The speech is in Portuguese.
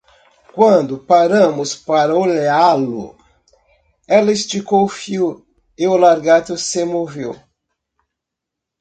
Quando paramos para olhá-lo, ela esticou o fio e o lagarto se moveu.